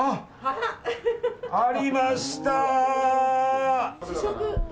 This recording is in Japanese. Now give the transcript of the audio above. ありました！